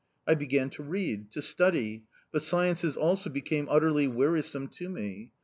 I began to read, to study but sciences also became utterly wearisome to me.